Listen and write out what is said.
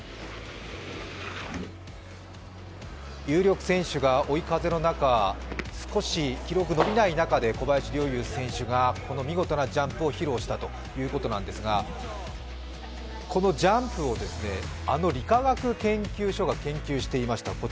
有力選手が追い風の中、少し記録伸びない中で、小林陵選手がこの見事なジャンプを披露したということなんですがこのジャンプを、あの理化学研究所が研究していました。